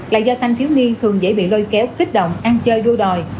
là do thanh thiếu niên thường dễ bị lôi kéo kích động ăn chơi đua đòi